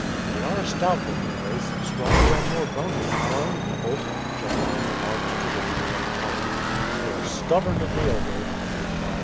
"They are a stout looking race. Stronger and more bony than our own people," Chebron remarked to the leader of the party. "They are stubborn to deal with," he replied.